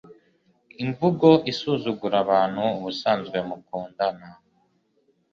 imvugo isuzugura abantu ubusanzwe mukundana